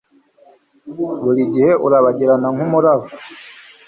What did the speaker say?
buri gihe urabagirana nkumuraba